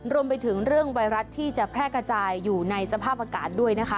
รวมไปถึงเรื่องไวรัสที่จะแพร่กระจายอยู่ในสภาพอากาศด้วยนะคะ